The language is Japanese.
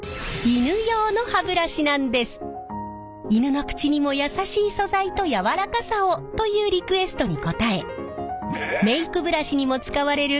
犬の口にも優しい素材と柔らかさをというリクエストに応えメイクブラシにも使われる